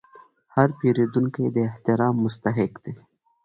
هر پیرودونکی د احترام مستحق دی.